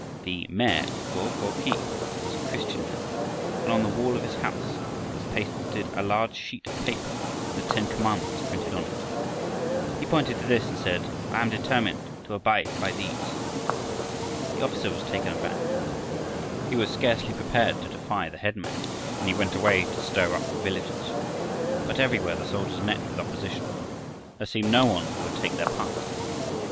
The "mayor" of Go ko khi was a Christian now, and on the wall of his house was pasted a large sheet of paper with the ten commandments printed on it. He pointed to this and said: "I am determined to abide by these." The officer was taken aback. He was scarcely prepared to defy the headman, and he went away to stir up the villagers. But everywhere the soldiers met with opposition. There seemed no one who would take their part.